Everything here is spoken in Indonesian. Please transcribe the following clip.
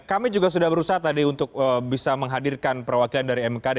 kami juga sudah berusaha tadi untuk bisa menghadirkan perwakilan dari mkd